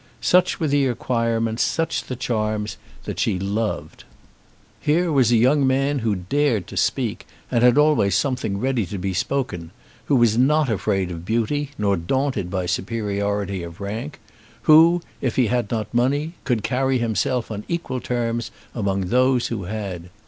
Such were the acquirements, such the charms, that she loved. Here was a young man who dared to speak, and had always something ready to be spoken; who was not afraid of beauty, nor daunted by superiority of rank; who, if he had not money, could carry himself on equal terms among those who had.